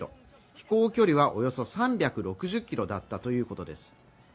飛行距離はおよそ３６０キロだったということです